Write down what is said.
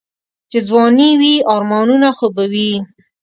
چې ځواني وي آرمانونه خو به وي.